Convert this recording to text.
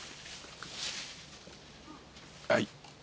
はい。